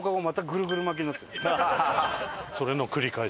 それの繰り返し。